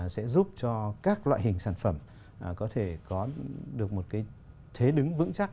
sẽ giúp cho các loại hình sản phẩm có thể có được một cái thế đứng vững chắc